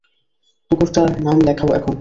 কুকুরটার নাম লেখাও এখন।